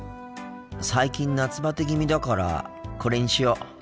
最近夏バテ気味だからこれにしよう。